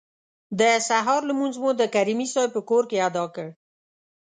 د سهار لمونځ مو د کریمي صیب په کور کې ادا کړ.